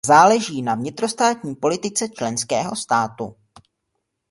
Záleží však na vnitrostátní politice členského státu.